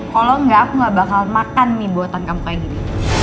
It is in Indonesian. kalo engga aku gak bakal makan mie buatan kamu kayak gini